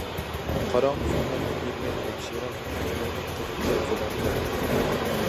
قاراڭغۇ زۇلمەتتە يۈرگەن ھەمشىرەم، قاچمىغىن قېنى كەل قۇلۇڭنى بەرگىن.